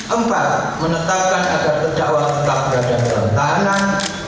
empat menetapkan agar terdakwa tetap berada dalam tahanan